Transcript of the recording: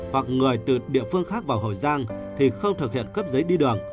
hoặc người từ địa phương khác vào hậu giang thì không thực hiện cấp giấy đi đường